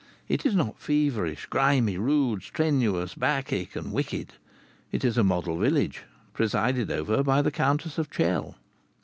It is not feverish, grimy, rude, strenuous, Bacchic, and wicked. It is a model village, presided over by the Countess of Chell.